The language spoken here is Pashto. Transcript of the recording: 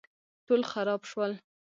ټول خراب شول